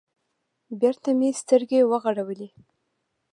بېرته مې سترگې وغړولې.